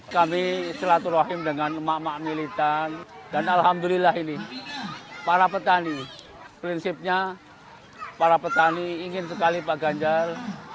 kami silaturahim dengan emak emak militan dan alhamdulillah ini para petani prinsipnya para petani ingin sekali pak ganjar